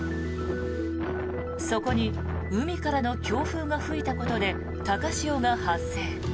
そこに海からの強風が吹いたことで高潮が発生。